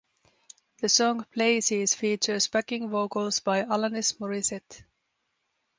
The song "Places" features backing vocals by Alanis Morissette.